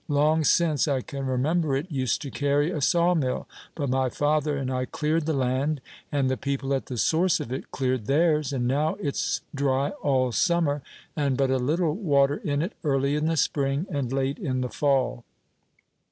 Long since I can remember it used to carry a saw mill; but my father and I cleared the land, and the people at the source of it cleared theirs, and now it's dry all summer, and but a little water in it early in the spring and late in the fall."